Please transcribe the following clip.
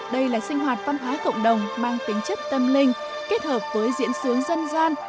đây là sinh hoạt văn hóa cộng đồng mang tính chất tâm linh kết hợp với diễn sướng dân gian